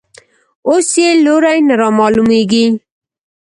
اوس یې لوری نه رامعلومېږي.